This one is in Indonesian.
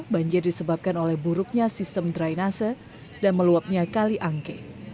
banjir disebabkan oleh buruknya sistem dry nasa dan meluapnya kali angkei